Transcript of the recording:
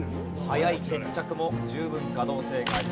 早い決着も十分可能性があります。